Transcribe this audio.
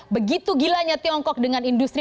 begitu gilanya tiongkok dengan industri